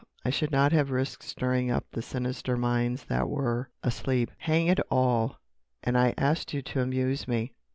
I should not have risked stirring up the sinister minds that were asleep." "Hang it all!—and I asked you to amuse me."